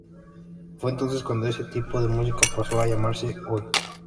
Fue entonces cuando ese tipo de música paso a llamarse Oi!